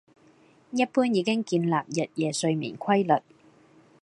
一般已經建立日夜睡眠規律